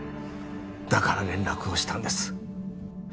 だから連絡をしたんです